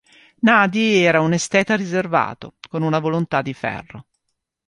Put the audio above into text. Nadi era un esteta riservato, con una volontà di ferro.